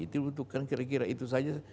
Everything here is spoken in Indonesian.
itu dibutuhkan kira kira itu saja